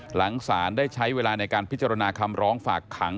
หลังศาลได้ใช้เวลาในการพิจารณาคำร้องฝากขัง